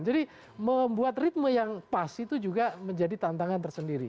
jadi membuat ritme yang pas itu juga menjadi tantangan tersendiri